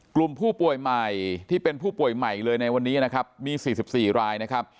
กลุ่มผู้ป่วยใหม่ที่เป็นผู้ป่วยใหม่เลยในวันนี้นะครับมี๔๔รายนะครับ